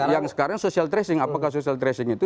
yang sekarang social tracing apakah social tracing itu